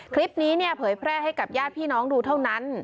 คลิปนี้เนี่ยเผยแพร่ให้กับญาติพี่น้องดูเท่านั้น